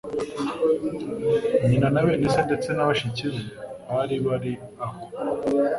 Nyina na bene se ndetse na bashiki be bari bari aho ;